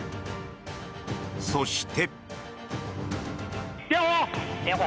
そして。